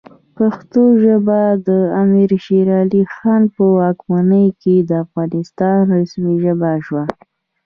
پښتو ژبه د امیر شیرعلی خان په واکمنۍ کې د افغانستان رسمي ژبه شوه.